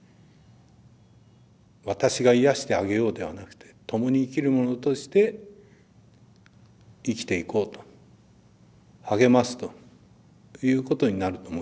私が癒やしてあげようではなくてともに生きる者として生きていこうと励ますということになると思います。